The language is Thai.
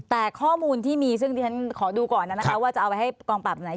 แต่ข้อมูลที่มีซึ่งดิฉันขอดูก่อนนะคะว่าจะเอาไปให้กองปราบไหน